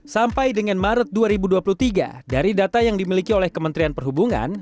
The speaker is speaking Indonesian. sampai dengan maret dua ribu dua puluh tiga dari data yang dimiliki oleh kementerian perhubungan